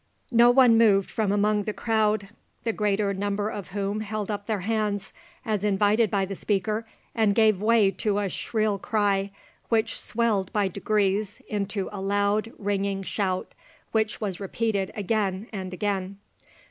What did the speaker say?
No one moved from among the crowd, the greater number of whom held up their hands, as invited by the speaker, and gave way to a shrill cry, which swelled by degrees into a loud ringing shout, which was repeated again and again.